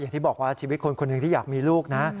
ที่บอกว่าชีวิตคนคนหนึ่งที่อยากมีลูกนะ